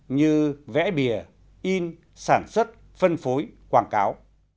như vẽ bìa in sản xuất phân phối quảng cáo